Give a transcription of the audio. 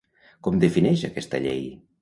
Com defineix aquesta llei?